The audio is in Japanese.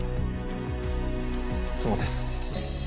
そうです。